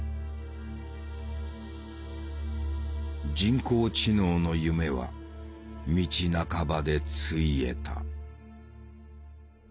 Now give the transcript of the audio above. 人工知能の夢は道半ばでついえた。